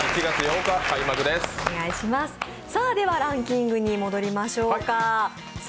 ではランキングに戻りましょうか。